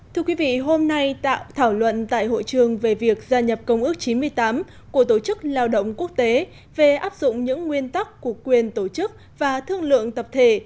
thưa quý vị hôm nay tạo thảo luận tại hội trường về việc gia nhập công ước chín mươi tám của tổ chức lao động quốc tế về áp dụng những nguyên tắc của quyền tổ chức và thương lượng tập thể